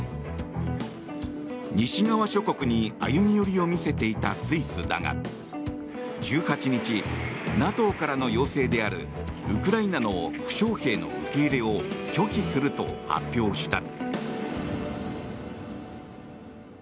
西側諸国に歩み寄りを見せていたスイスだが１８日ＮＡＴＯからの要請であるウクライナの負傷兵の受け入れを拒否すると発表した。